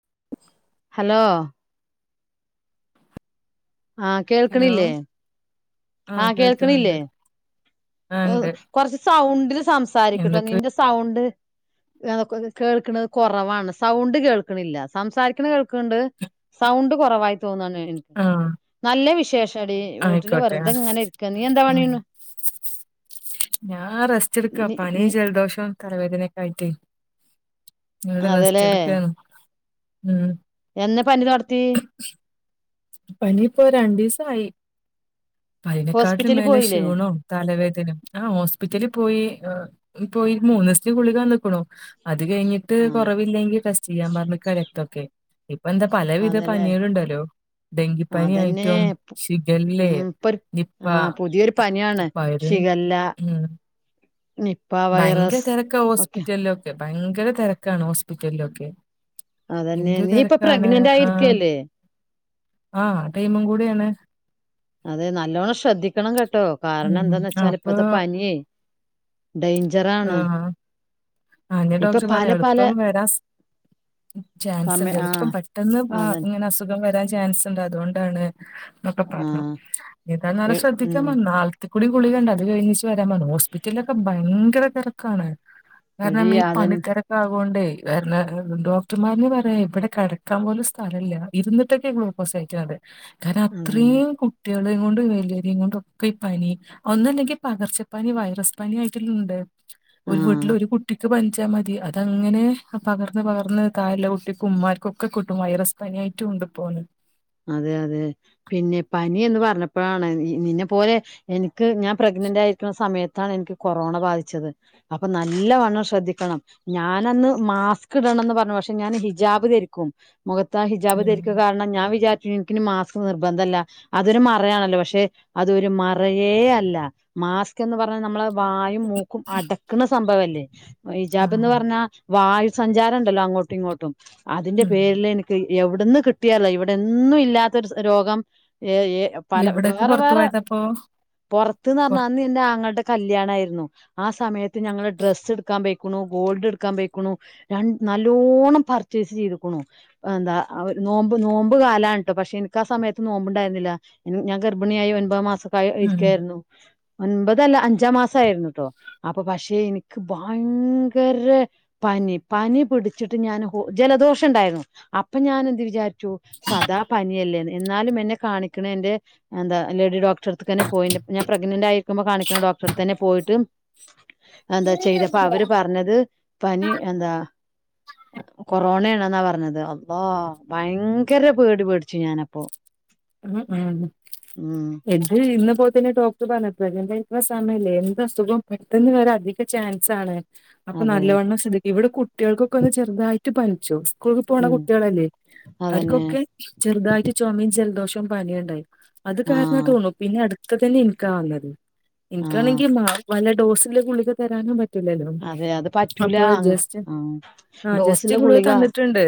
[unintelligible] Hello? ആഹ് hello കേൾക്ക്‌ണില്ലേ? ആഹ് കേൾക്കിണില്ലേ ആഹ് ഉണ്ട് കൊറച്ച് സൗണ്ടില് സംസാരിക്ക്ട്ടോ എന്തൊക്കെ നിന്റെ സൗണ്ട് [unintelligible] കേൾക്ക്ണത് കൊറവാണ് സൗണ്ട് കേൾക്ക്ണില്ല സംസാരിക്കണ കേൾക്ക്ണ്ട് സൗണ്ട് കുറവായി തോന്നാണ് എനി ആഹ് ല്ല വിശേഷ [unintelligible] ടി വീട്ടില് ആയിക്കോട്ടെ വെറുതെ ആഹ് ഇങ്ങനെ ഇരിക്ക നീ എന്താ ഉം പണീണ് ഞാൻ റെസ്റ്റെട്ക്കാ പനിയും ജലദോഷും തലവേദനേം. [unintelligible] ഈട റെസ്റ്റ് എട്ക്കാണ്. ഉം എന്നാ പനി തൊടത്തി. പനിപ്പോ രണ്ടീസായി. പ്പയിനേക്കാട്ടിലും ഹോസ്പിറ്റലിൽ മേലെ പോയില്ലേ ക്ഷീണോം തലവേദനയും ആഹ് ഹോസ്പിറ്റലിൽ പോയി. ഇപ്പൊയീ മൂന്നീസത്തിന് ഗുളിക തന്ന്ക്ക്ണു അത് കയിഞ്ഞിട്ട് ആ കുറവില്ലെങ്കിൽ ടെസ്റ്റ് ചെയ്യാൻ പറഞ്ഞ്ക്കാ രക്തൊക്കെ. പ്പെന്താ പലവിധ അതെല്ലേ പനികള്ണ്ടല്ലോ? അതന്നെ ഡെങ്കിപ്പനിയായിട്ടും ഷിഗല്ലേ ഉം ഇപ്പൊ ഒരു നിപ്പ ആ പുതിയൊരു പനിയാണ് [unintelligible] ഷിഗല്ല ഉം നിപ്പ ഭയങ്കര വൈറസ് തെരക്കാ ഒക്കെ ഹോസ്പിറ്റലല് ഒക്കെ ഭയങ്കര തിരക്കാണ് ഹോസ്പിറ്റലിലൊക്കെ അതന്നെ എന്ത് നീ ഇപ്പൊ തിരക്കാണ്. പ്രഗ്നന്റ് ആയിരിക്ക ആഹ്. അല്ലേ ആഹ് ആ ടൈമും കൂടെയാണ് അതെ നല്ലോണ്ണം ശ്രദ്ധിക്കണം കേട്ടോ കാരണം ഉം. എന്താന്ന്ച്ചാൽ അപ്പൊ ഇപ്പത്തെ പനിയേ ഡേയ്ഞ്ചറാണ് അതന്നെയാ ഡോക്ടർ പറഞ്ഞേ എളുപ്പം വരാ സ് സമയ ചാൻസുണ്ട് ആ എളുപ്പം പെട്ടെന്ന് ആ അതന്നെ ഇങ്ങനെ അസുഖം വരാൻ ചാൻസുണ്ട് അതുകൊണ്ടാണ് എന്നൊക്കെ ആ പറഞ്ഞു ഇതാ നാളെ എ- ശ്രദ്ധിക്കാൻ ഉം പറഞ്ഞു നാളത്തെ. കുളി കുളിക്കണ്ടേ അത് കഴിഞ്ഞിച്ച് വരാൻ പറഞ്ഞു ഹോസ്പിറ്റിലൊക്കെ ഭയങ്കര തിരക്കാണ്. കാരണം എടി ഈ പണി അതന്നെ തെരക്കാവു പൊണ്ടേ വേറെന്ന ഡോക്ടർമാരന്ന് പറയാ ഇവിടെ കിടക്കാൻ പോലും സ്ഥലല്ല ഇരുന്നിട്ടൊക്കെയ ഗ്ലൂക്കോസ് കേറ്റണത് കാരണം അതന്നെ അത്രം കുട്ടി. പിള്ളാരേംകൊണ്ടും വലിയൊരേംകൊണ്ടും ഒക്കെ ഈ പനി ഒന്നല്ലെങ്കിൽ പകർച്ച പനി വൈറസ് പനി ആയിട്ടുള്ളുണ്ടെ ഒരു ആ വീട്ടില് ഒരു കു. ത്ത് പനിച്ചാമതി അതങ്ങനെ പകർന്ന് പകർന്ന് താഴെയുള്ള കുട്ടിക്കും ഉമ്മാർക്കും ഒക്കെ കിട്ടും വൈറസ് പനിയായിട്ട് ഉണ്ട് ഇപ്പോന്ന് അതെ അതെ പിന്നെ പനി എന്ന് പറഞ്ഞപ്പോഴാണ് നിന്നെ പോലെ എനി. ക് ഞാൻ പ്രഗ്നന്റായിരിക്കുന്ന സമയ അതാണെനിക്ക് കൊറോണ ബാധിച്ചത് അപ്പൊ നല്ലവണ്ണം ശ്രദ്ധിക്കണം ഞാൻ അന്ന് മാസ്ക് ഇടണംന്ന് പറഞ്ഞു പക്ഷെ ഞാന് ഹിജാബ് ധരിക്കും. മുഖത്താ ഹിജാബ് ഉം ധരിക്കകാരണം ഞാൻ വി [unintelligible] മാസ്ക് നിർബന്ധല്ല അതൊരു മറയാണല്ലോ പക്ഷെ അതൊരു മറയേ അല്ല മാസ്ക് എന്ന് പറഞ്ഞ നമ്മള് വായും മൂക്കും അടക്കണ സംഭവവല്ലേ. തേ. ആ ഇജാബെന്ന് പറഞ്ഞാ വായുസഞ്ചാരം ഉണ്ടല്ലോ അങ്ങോട്ടും ഇങ്ങോട്ടും. അതിന്റെ ഉം പേരിലെനക്ക്. എവിടന്ന് കിട്ടിയാല ഇവിടെ ഒന്നു ഇല്ലാത്തൊരു രോഗം എ എ പല എവിടൊക്കെ വേറെ പുറത്തു വേറെ പോയതപ്പോ പുറത്ത്ന്ന് പുറ പറഞ്ഞാ അന്ന് എൻ്റെ ആങ്ങളേടെ കല്യാണായിരുന്നു ആ സമയ ട്ട് ഞങ്ങള് ഡ്രസ്സെടുക്കാൻ പോയി ക്കണു ഗോൾഡ് എടുക്കാൻ പോയേക്കണു നല്ലോണം പർച്ചേസ് ചെയ്തേക്കണു എന്താ നോമ്പ് നോമ്പ് നോമ്പുകാലണട്ടോ പക്ഷേ എനിക്കാ സമയത്ത് നോമ്പുണ്ടായിരുന്നില്ല ഞാൻ ഗർഭിണിയായി ഒമ്പതാം മാസം. പയം ഉം ഇരിക്കയാരുന്നു ഒൻപത് അല്ല അഞ്ചാം മാസയിരുന്നുട്ടോ അപ്പൊ പക്ഷെ എനിക്ക് ഭയങ്കര പനി പനി പിടിച്ചിട്ട് ഞാന് ഹോ ജലദോഷണ്ടായിരുന്നു അപ്പൊ ഞാനെന്ത് വിചാരിച്ചു. സദാ പനിയല്ലേന്ന് എന്നാലും എന്നെ കാണിക്കണേൻ്റെ എന്താ ലേഡി ഡോക് ക്ടറടുത്തുക്കന്നെ പോയിണ്ട് ഞാൻ പ്രെഗ്നന്റ് ആയിരിക്കുമ്പോ കാണിക്ക്ണ ഡോക്ടറടുത്തന്നെ പോയിട്ട് എന്താ ചെയ്തപ്പ അവര് പറഞ്ഞത് പനി എന്താ കൊറോണെണാ ന്നാ പറഞ്ഞത് അള്ളാ ഭയ. ങ്കര പേടി പേടിച്ചു ഞാനപ്പോ. ഉം ഉം ഉം എന്ത് ചെയ്യുന്നു ഇപ്പോതന്നെ ഡോക്ടർ പറഞ്ഞേക്കുവാ എന്റെ [unintelligible] സമയില്ലേ എന്ത് അസുഖോം പെട്ടെന്ന് വരാൻ അധിക ചാൻസാണ്. അപ്പൊ അതെ നല്ലവണ്ണം ശ്രെധിക്കെ ഇവിടെ കുട്ടികൾക്കൊക്കെ ഒന്ന് ചെറുതായി റ്റി പനിച്ചു സ്കൂളിൽ പോണ ഉം കുട്ടികളല്ലേ അതന്നെ അവർക്കൊക്കെ ചെറുതായിട്ട് ചൊമയും ചെർ മ്പനിയുണ്ടായി അത് ആഹ് കാരണാതോന്നു പിന്നെ അടു ഇപ്പ തന്നെ എന്ക്കാ വന്നത് ആഹ് എനിക്കാണെങ്കി മാർ വന ഡോസില് ഗുളിക തരാനും പ റ്റൂല്ലല്ലോ അതെ അത് പറ്റൂല അപ്പൊ ജസ്റ്റ് ആ ആ ജസ്റ്റ് ഗുളിക തന്നിട്ടുണ്ട്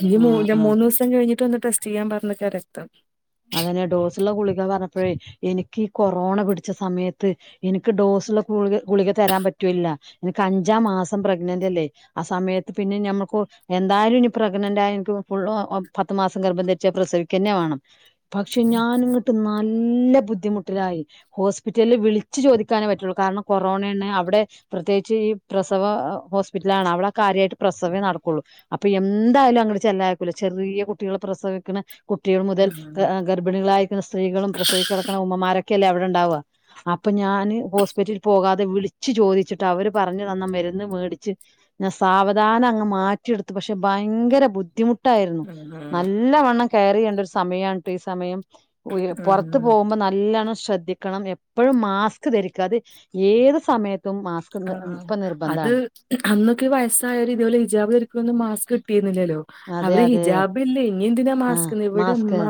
ഇനി ആ ആ മൂന്ന് ദിവസം കഴിഞ്ഞിട്ട് വന്നിട്ട് ടെസ്റ്റ് ചെയ്യാൻ പറഞ്ഞേക്കാ രക്തം അതെന്നാ ഡോസുള്ള ഗുളിക പറഞ്ഞപ്പോഴേ എനി ക്ക് കൊറോണ പിടിച്ച സമയത്ത് എനിക്ക് ഡോസുള്ള ഗുളി ഗുളിക തരാൻ പറ്റൂല്ല, എനിക്ക് അഞ്ചാം മാസം പ്രെഗ്നന്റ് അല്ലേ ആ സമയത്ത് പിന്നെ ഞമ്മുക്ക് എന്തായാലും ഇനി പ്രെഗ്നന്റ് ആയ എനിക്ക് ഫുൾ പത്തു മാസം ഗർഭം ധരിച്ചാൽ പ്രസവിക്ക തന്നെ വേണം. പക്ഷെ ഞാനങ്ങേട്ട് നല്ല. നല്ല ബുദ്ധിമുട്ടിലായി ഹോസ്പിറ്റലിൽ വിളിച്ചു ചോദിക്കാനേ പറ്റുള്ളൂ, കാരണം കൊറോണയാണ് അവിടെ പ്രത്യേകിച്ച് ഈ പ്രസവ ഹോസ്പിറ്റലാണ് അവളെ. കാര്യായിട്ട് പ്രസവേ നടക്കുള്ളൂ. അപ്പം എന്തായാലും അങ്ങടെ ചെല്ലാനൊക്കൂല്ല ചെറിയ കുട്ടികളെ പ്രസവിക്കണം. കുട്ടികൾ മുതൽ ഉം ഗ ഗർഭിണികളായിരിക്കുന്ന സ്ത്രീകളും പ്രസവിക്കിടക്കുന്ന ഉമ്മമാരും. ക്കല്ലേ അവിടുണ്ടാവുക അപ്പൊ ഞാന് ഹോസ്പിറ്റലിൽ പോകാതെ വിളിച്ച് ചോദിച്ചിട്ട് അവര് പറഞ്ഞു തന്ന മരുന്ന് മേടിച്ച് ഞാൻ സാവധാനം അങ്ങ് മാറ്റിയെടുത്തു പക്ഷെ ഭയങ്കര ബുദ്ധിമു ട്ടായിരുന്നു ഉം നല്ല വണ്ണം. കേയറിയാണ്ട് ഒരു സമയാ തേ സമയം. പുറത്ത് ഉം പോകുമ്പോ നല്ലോണം. ശ്രദ്ധിക്കണം എപ്പോഴും മാസ്ക് ധരിക്കാതെ ഏത് സമയ ആഹ് ആഹ് അത് അന്നൊക്കെ വയസ്സായോരെ ഇതുപോലെ ഇജാബ് ധരിക്കും മാസ കിട്ടി ല്ലല്ലോ അതെ അവര് അതെ ഹിജാബില്ലേ ഇനി എന്തിനാ മാസ്ക് ആഹ് എന്ന് ഇവിടെ മാസ്ക് ഉമ്മ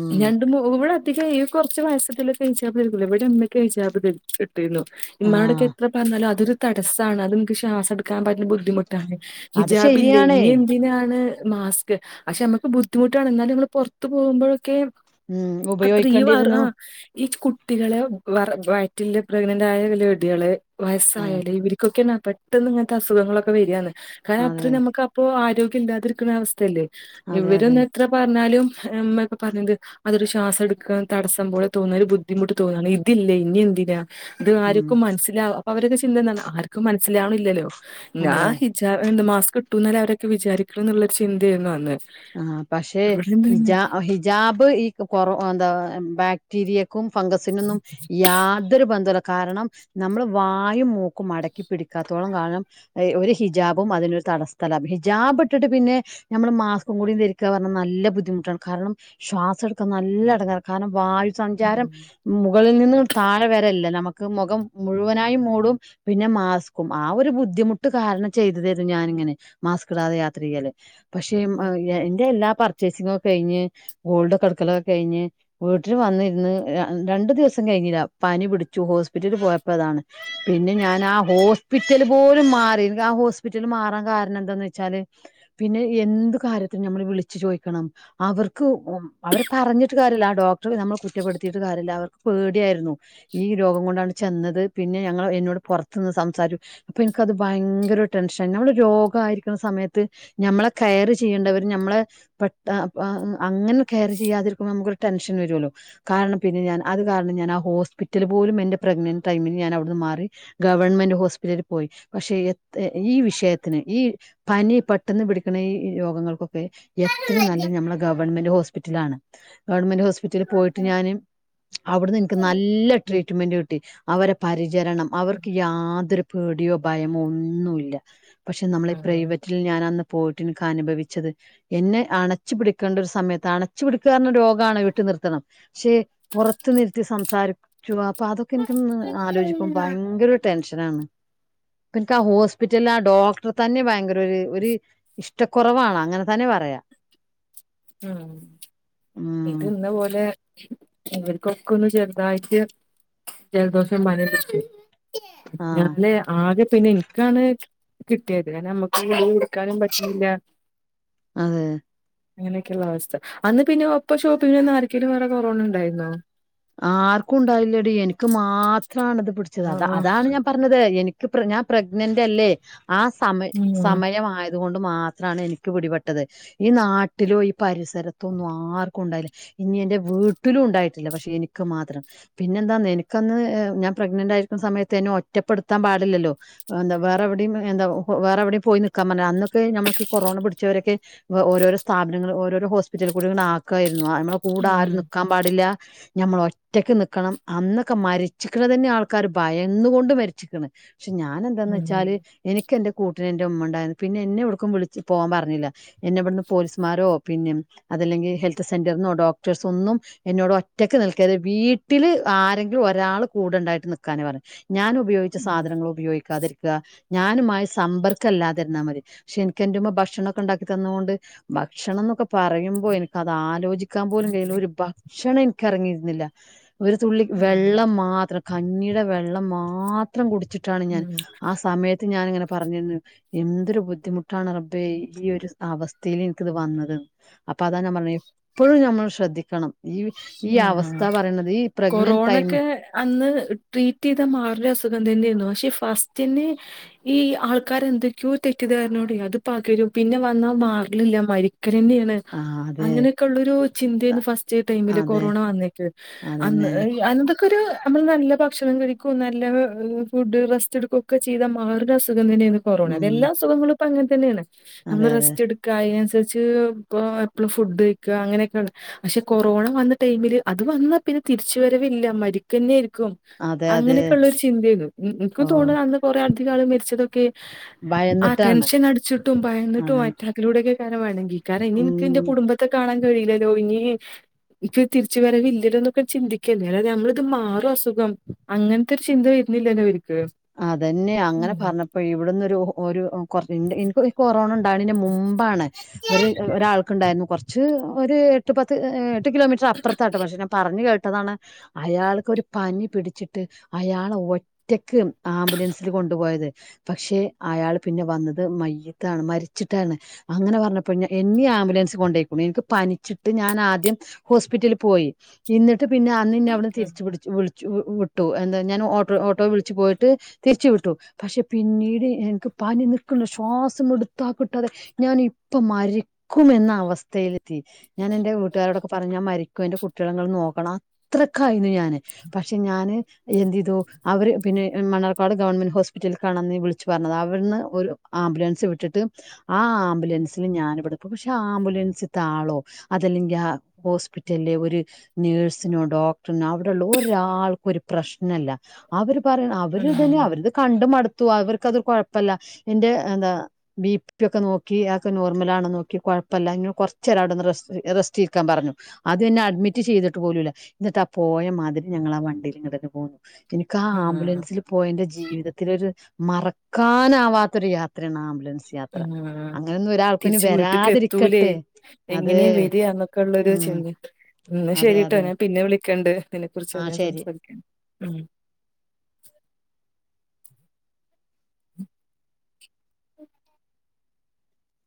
ഉം രണ്ടു മൂന്നു ഇവിടെ. ഇത് കഴിയൂ കുറച്ച് വയസത്തിലെ. [unintelligible] ഇടുനൂ ഉമ്മാടെ ആഹ് എന്നാലും അതൊരു തടസാണ് അത് നമുക്ക്‌ ശ്വാസം എടു ക്കാൻ തന്നെ ബുദ്ധിമുട്ടാണ് അത് ഹിജാബില്ലേ ശരിയാണേ ഇനി എന്തിനാണ്. മാസ്ക് പക്ഷെ നമുക്ക് ബുദ്ധിമുട്ടാണ് എന്നാലും നമ്മൾ പുറത്തു പോകുമ്പോഴൊക്കെയും. ഉം ഉപയോഗിക്കേണ്ടിയിരുന്നു. ഈ കുട്ടികള് വേർ വാറ്റില് പ്രഗ്നന്റ് ആയി വെല്ല്യകുട്ടികള്. അതെ വയസ്സായാലും ഇവർക്കൊക്കെ പെട്ടെന്ന് ഇങ്ങനെത്തെ അസുഖങ്ങളൊക്കെ വരുവാണ്. കാരണം അതെ അത്ര നമുക്ക് അപ്പൊ. ആരോഗ്യം ഇല്ലാതിരിക്കുന്ന അവസ്ഥയല്ലേ. അതെ ഇവർ അതെ ഒന്ന് എത്ര പറഞ്ഞാലും. അമ്മയൊക്കെ പറഞ്ഞത് അതൊരു ശ്വാസം എടുക്കാൻ തടസ്സം പോലെ തോന്നൽ ഒരു ബുദ്ധിമുട്ട് തോന്നാണ്, ഇതില്ലേ ഇനി എന്തില്ല. അത് ഉം ആർക്കും മനസ്സിവും. അവരുടെ ചിന്ത എന്തെന്നാൽ അവർക്ക് പണിക്ക്. മനസ്സിലാവുന്നില്ലല്ലോ അതെ ഞാൻ [unintelligible] എന്ന് പ കിട്ടുംന്നാല് അവരൊക്കെ വിചാരിക്കണ്ന്നുള്ളൊര് ചിന്തയർന്ന് അന്ന് ആ പക്ഷെ ഇവിടെ ഹിജ എന്താണ് ഹിജാബ് ഈ കൊറോ എന്താ ബാക്ടീരിയ ക്കും ഫംഗാസിനൊന്നും യാതൊരു ബന്ധോല്ല കാരണം നമ്മൾ വായും മൂക്കും അടക്കി പിടിക്കാത്തോളം കാലം ഇഹ് ഒരു ഹിജാബും അതിനൊരു തടസ്ഥല്ല ഹിജാബ് ഇട്ടിട്ട് പിന്നെ നമ്മൾ മാസ് കും കൂടിയും ധരിക്കുക പറഞ്ഞാൽ നല്ല ബുദ്ധിമുട്ടാണ് കാരണം ശ്വാസം എടുക്കാൻ നല്ല ഇടങ്ങേറാ കാരണം വയ് ഉം സഞ്ചാരം മുകളിൽ നി ന്നും താഴെ വരല്ല നമുക്ക് മുഖം മുഴുവനായും മൂടും പിന്നെ മാസ്കും ആ ഒരു ബുദ്ധിമുട്ട് കാരണം ചെയ്തതാരുന്നു ഞാനിങ്ങനെ മാസ്ക് ഇടാതെ യാത്രേയ്യാല് പക്ഷേ ആഹ് എന്റെ എല്ലാ പർ ച്ചേസിങ്ങൊക്കെ കഴിഞ്ഞ് ഗോൾഡൊക്കെടുക്കലൊക്കെ കഴിഞ്ഞ് വീട്ടിൽ വന്നിന്ന് ര രണ്ടു ദിവസം കഴിഞ്ഞില്ല പനി പിടിച്ചു ഹോസ്പിറ്റലിൽ പോയപ്പോതാണ് പിന്നെ ഞാൻ ആ ഹോസ്പിറ്റല് പോലും മാറി ആ ഹോസ്പിറ്റൽ മാറാൻ കാരണം എന്താന്ന് വെച്ചാല് പിന്നെ എന്ത് കാര്യത്തിൽ ഞമ്മൾ വിളിച്ചു ചോദിക്കണം അവർക്ക് അവരെ പറഞ്ഞിട്ട് കാര്യുല്ല ഡോക്ടർ നമ്മൾ കുറ്റപ്പെടുത്തിട്ട് കാര്യംല്ല അവർക്ക് പേടിയായിരുന്നു ഈ രോഗം കൊണ്ടാണ് ചെന്നത് പിന്നെ ഞങ്ങള് എന്നോട് പുറത്ത് നിന്ന് സംസാരിക്കു അപ്പൊ എനിക്കത് ഭയങ്കര ടെൻഷൻ നമ്മൾ രോഗ ആയിരിക്കണ സമയത്ത് ഞമ്മളെ കെയർ ചെയ്യേണ്ടവര് നമ്മളെ പെട്ട് ആഹ് അങ്ങനെ കെയർ ചെയ്യാതിരിക്കുമ്പോൾ നമുക്കൊരു ടെൻഷൻ വരുമല്ലോ കാരണം പിന്നെ ഞാൻ അത് കാരണം ഞാൻ ആ ഹോസ്പിറ്റൽ പോലും എന്റെ പ്രെഗ്നന്റ് ടൈമിന് ഞാൻ അവിടുന്ന് മാറി ഗവൺമെന്റ് ഹോസ്പിറ്റലിൽ പോയി പക്ഷെ എത് ഈ വിഷയത്തിന് ഈ പനി പെട്ടന്ന് പിടിക്കണ ഇ ഈ രോഗങ്ങൾക്ക് എത്ര ഉം. നല്ല ഞമ്മള ഗവൺമെന്റ് ഹോസ് പിറ്റലാണ് ഗവണ്മെന്റ് ഹോസ് റ്റലിൽ പോയിട്ട് ഞാന് അവിടുന്ന് എനിക്ക് നല്ല ട്രീറ്റ്മെന്റ് കി ട്ടി അവരെ പരി ചരണം അവർക്ക് യാതൊരു പേടിയോ ഭയമോ ഒന്നുല്ല പക്ഷെ നമ്മള ഈ പ്രൈവറ്റിൽ ഞാൻ അന്ന് പോയിട്ടി ക്കനുഭവിച്ചത് എന്നെ അണച്ചു പിടിക്കേണ്ട ഒരു സമയത്ത് അണച്ചു പിടിക്ക പറഞ്ഞ രോഗണ് വീട്ട് നിർത്തണം പക്ഷെ പുറത്തു നിർത്തി സംസാരിക്കുക അപ്പൊ അതൊക്കെ എനിക്ക് അന്ന് ആലോചിക്കുമ്പോ ഭയങ്കര ടെൻഷ [unintelligible] എനിക്ക് ആ ഹോസ്പിറ്റല ആ ഡോക്ടറേ തന്നെ ഭയങ്ക രോരു ഒര് ഇഷ് ട്ടാ കുറവാണ് അങ്ങനെ തന്നെ പറയാ ഉം ഇത് ഉം ഇന്ന പോലെ അവർക്കൊക്കെ ഒന്ന് ചെറുതായിട്ട് ജലദോഷം മന [inaudible] ആഹ് എന്നാൽ ആകെ പിന്നെ എനിക്കാണ് കിട്ടിയത് നമുക്ക് ഇവരെ എടുക്കാനും പറ്റ്ണില്ല അതെ അങ്ങനെയൊക്കെള്ള അവസ്ഥ അന്ന് പിന്നെ ഒപ്പ ഷോപ്പിൽ നിന്ന ആർക്കെലും വേറെ കൊറോണ ഉണ്ടായിരുന്ന ആർക്കും ഉണ്ടായില്ലടി എനിക്ക് മാ ത്രാണ് ഇത് പിടിച്ചത് അ ആഹ് അതാണ് ഞാൻ പറഞ്ഞത് എനിക്ക് പ്ര ഞാൻ പ്രഗ്നന്റ് അല്ലേ ആ സമയ ആഹ് സമയമായത് അതുകൊണ്ട് മാത്രമാണ് എനിക്ക് പിടിപെട്ടത് ഈ നാട്ടിലോ ഈ പരിസരത്തോ ഒന്നും ആർക്കും ഉണ്ടായില്ല ഇനി എന്റെ വീട്ടിലും ഉണ്ടായിട്ടില്ല പക്ഷെ എനിക്ക് മാത്രം പിന്നെ എന്താന്ന് എനിക്കന്ന് ഞാ പ്രഗ്നന്റ് ആയിരിക്കുന്ന സമയത്ത് ന്നെ ഒറ്റപ്പെടുത്താൻ പാടില്ലല്ലോ ന്താ വേറെ എവിടെയും എന്താ വേറെവിടെയും പോയി നി ക്കാൻ പറഞ്ഞ അന്നൊക്കെ നമ്മുക്ക് ഈ കൊറോണ പിടിച്ചവരൊക്കെ ഓരോരോ സ്ഥാപനങ്ങൾ ഓരോരോ ഹോസ്പിറ്റലിൽ കൂടി ഇങ്ങനെ ആക്ക ന്നു. നമ്മളെ കൂടെ ഉം ആരും നിക്കാൻ പാടില്ല. ഞമ്മൾ ഒറ്റക്ക് നിക്കണം അന്നൊക്കെ മരിച്ചിക്കണ തന്നെ ആൾക്കാര് ഭയന്നു കൊണ്ട് മരിച്ച്ക്ക്ണ് പക്ഷെ ഞാൻ എന്താന്ന് ഉം ഉം വെച്ചാല് എനിക്ക് എന്റെ കൂട്ട്ന് എന്റെ ഉമ്മ ഉണ്ടായിരുന്നു പിന്നെ എന്നെ എവിടക്കും വിളിച്ച് പോവാൻ പറഞ്ഞില്ല. എന്നെവിടുന്ന് പോലീസ്മാരോ പിന്നെ അതല്ലെങ്കി ഹെൽത്ത് സെന്റർന്നോ ഡോക്ടേഴസ് ഒന്നും എന്നോട് ഒറ്റ ഒറ്റക്ക് നിൽക്കരുത് വീട്ടില് ആരെങ്കിലും ഒരാള് കൂടെണ്ടായിട്ട് നിക്കാനേ പറഞ്ഞു ഞാൻ ഉപയോഗിച്ച ഉം സാധനങ്ങൾ ഉപയോഗിക്കാതിരി ഞാനുമായി സമ്പർക്കല്ലാതിര്ന്നാ മതി പക്ഷെ എനിക്ക് എന്റെ മ്മ ഭക്ഷണക്കെ ഉണ്ടാക്കി തന്നോണ്ട് ഭക്ഷണം എന്നൊക്കെ പറയുമ്പോ എനിക്കത് ആലോചിക്ക ക്കാൻ പോലും കഴിയില്ല ഒരു ബ ക്ഷണം എനിക്ക് ഇറങ്ങിയിരുന്നില്ല ഒരു തുള്ളി ഉം വെള്ളം മാത്രം കഞ്ഞീടെ വെള്ളം മാത്രം കുടി ച്ചിട്ടാണ് ഞാൻ ആ സമയത്ത് ഞാനിങ്ങനെ പറഞ്ഞിരുന്നു എന്തൊരു ബുദ്ധിമുട്ടാണ് റബ്ബേ ഈ ഒരു അവസ്ഥയിൽ എനിക്കിത് വന്നതെന്നു അപ്പൊ അതാണ് ഞാൻ പറഞ്ഞത് എപ്പോഴും ഞമ്മൾ ശ്രദ്ധിക്കണം ഈ ഈ ഉം അവസ്ഥ പറയണത് ഈ പ്രഗ്നന്റ് ടൈം കൊറോണക്കെ അന്ന് ട്രീറ്റ് എ യ്താ മാർണാ അസുഖ പക്ഷെ ഫസ്റ്റ്ന്നെ ഈ ആൾക്കാര എന്തൊക്കെയോ തെറ്റിദ്ധാരനോട അത് പകരും പിന്നെ വന്നാ മാറലില്ല മരിക്കും. ഒക്ക തന്നെയാണ് ആ അതെ അങ്ങനെയൊക്കെ ഉള്ളരു ചിന്തയന്ന് ഫസ്റ്റ് ടൈമിൽ അതെ കൊറോണ വന്നിട്ട് അതന്നെ അന്ന് [unintelligible] നമ്മൾ നല്ല ഭക്ഷണം കഴിക്കും നല്ല ഫുഡ് റസ്റ്റ് എടുക്ക ഒക്കെ ചെയ്താ മാറണ അസുഖം കൊറോണ ഉം എല്ല സുഖങ്ങളും പ്പം അങ്ങൻ തന്നെയാണ് അതെ നമ്മള് അതെ റസ്റ്റ് എടുക്കായി എപ്പളും ഫുഡ് കഴിക്കാ അങ്ങനെയൊക്കെ ഉള്ള പക്ഷെ കൊറോണ വന്നിട്ട് ടൈമില് അത് വന്നാ പിന്നെ തിരിച്ചു വരവില്ല മരിക്കന്നെയിരി ക്കും അതെ അതെ അങ്ങനെയൊക്കെ ഉള്ള ഒരു ചിന്തയരുന്നു ഇന്ക് ഓ തോണാ അന്ന് കുറെ അധിക ആൾ മരിച്ചതൊക്കെ ആ ഭയന്നിട്ടാണ് ടെൻഷൻ അടിച്ചിട്ടും ഭയന്നിട്ടും അതെ അതിലൂടെയൊക്കെ കാരണം വേണെങ്കിൽ കാരണം ഇനി എനിക്ക് ഉം എന്റെ കുടുംബത്തെ കാണാൻ [unintelligible] എനി തിരിച്ചു വരവില്ലല്ലോന്നൊക്കെ ചിന്തിക്കല്ലേ അതെ നമ്മളിത് മാറും അസുഖം അങ്ങൻത്തെ ഒരു ചിന്ത വരുന്നില്ലല്ലോ അതന്നെ ഉം അങ്ങനെ പറഞ്ഞപ്പോ ഇവിടന്ന് ഒരു കൊ എനിക്ക് കൊറോണ ഉണ്ട് ണിനന് മുമ്പാണ് ഒരു ഒരാൾക്കുണ്ടായി കൊർച്ച് ഒരു എട്ട് പത്ത് എട്ട് കിലോമീറ്റർ അപ്പർത്താട്ടോ പക്ഷ ഞാ പറഞ്ഞ് കേ ട്ടതാണ് അയാൾക്കൊര് പനി പിടിച്ചിട്ട് അയാള് ഒറ്റക്ക് ആംബുലൻസില് കൊണ്ടുപോയത്. പക്ഷെ അയാൾ പിന്നെ വന്നത് മയ്യത്താണ് മരിച്ചിട്ടാണ്. അങ്ങനെ പറഞ്ഞപ്പ ഞാ എന്നീ ആംബുലൻസ് കൊണ്ടോയിക്ക്ണ് എനിക്ക് പനിച്ചിട്ട് ഞാന് ആദ്യം ഹോസ്പിറ്റലിൽ പോയി. ഇന്നി ട്ട് പിന്നെ അന്ന് ഇന്നേ അവ്ട്ന്ന് തിരിച്ച് പിടിച്ചു വിളി ച്ചു വിട്ടു. എന്താ ഞാൻ ഓട്ടോ ഓട്ടോ വിളിച്ച് പോയി ട്ട് തിരിച്ചു വിട്ടു. പക്ഷെ പിന്നീട് എനിക്ക് പനി നിക്ക്ല്ല ശ്വാസം മിട്ത്ത കിട്ടാതെ ഞാൻ ഇപ്പ മരിക്കുംഎന്ന അവസ്ഥയില് ത്തി. ഞാന് എന്റെ വീട്ടുകാരോടൊക്കെ പറ ഞ്ഞു ഞാൻ മരി ക്ക് ഇന്റെ കുട്ടിളെ ഇങ്ങള് നോക്കണം. അത്രക്കായിനു ഞാന് പക്ഷെ ഞാന് എന്തെയ്തു മണ്ണാർക്കാട് ഗവൺമെന്റ് ഹോസ്പിറ്റ ൽ ക്കാണന്ന് വിളിച്ച് പറഞ്ഞത്. അവര്ന്ന് ഒരു ആംബുലൻസ് വിട്ടിട്ട് ആ ആംബുലൻസില് ഞാനിവിടെ പക്ഷെ ആ ആംബുലൻസ്ത്ത ആളോ അതല്ലെങ്കി ആ ഹോസ്പിറ്റലിലെ ഒരു നേഴ്സിനോ ഡോക്ടറിനോ അവിടെള്ള ഒരാൾക്ക് ഒരു പ്രശ്നല്ല. അവര് പറയ് ഉം അവരിതന്നെ അവര് ഇത് കണ്ട് മട് ത്തു. അവർക്കത് കൊഴപ്പല്ല. എന്റെ എന്താ ബീ പ് ത്തി ഒക്കെ നോക്കി അ ഒക്ക നോർമലാണ് നോക്കി കൊഴപ്പല്ല ഇന്നെ കൊർച്ചേരം ആടെന്ന് റസ് റെസ്റ്റ് ഇരിക്കാൻ പറഞ്ഞു. ആദ്യ എന്നെ അഡ്മിറ്റ് ചെയ്തിട്ട് പോലൂല്ല. ഇന്നിട്ട് ആ പോയ മാതിരി ഞങ്ങള് ആ വണ്ടീല് ഇങ്ങട്ടന്നെ പോന്നു. എനിക്ക് ആ ഉം ആംബുലൻസില് എന്റെ ജീവിതത്തില ഒരു മറക്കാനാവാത്തൊരു യാത്രയാണ് അ ഉം തിരിച്ച് വീട്ടക്ക് എത്തൂലേ വരാതിരിക്കട്ടെ അതെ എങ്ങനെയും വരിക എന്നൊക്കെ ഉള്ളരു ഉം ചിന്ത എന്നാ അതെ ശരിട്ടോ അതെ ഞാൻ പിന്നെ വിള ക്കെണ്ട് അതിനെ ആ കുറിച്ച് ഞാൻ ശരി സംസാരിക്കാം ഉം